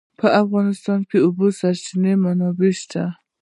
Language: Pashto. په افغانستان کې د د اوبو سرچینې منابع شته.